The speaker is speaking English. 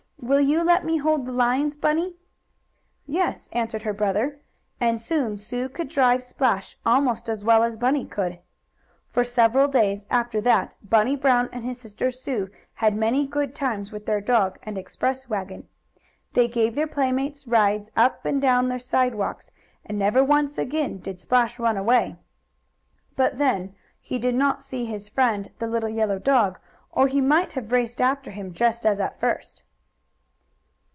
"Will you let me hold the lines, Bunny?" "Yes," answered her brother, and soon Sue could drive Splash almost as well as Bunny could. For several days after that Bunny Brown and his sister Sue had many good times with their dog and express wagon. They gave their playmates rides up and down the sidewalk, and never once again did Splash run away. But then he did not see his friend, the little yellow dog, or he might have raced after him just as at first.